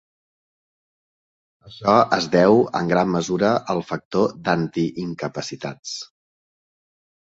Això es deu en gran mesura al factor d'anti-incapacitats.